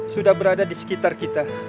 sudah berada di sekitar kita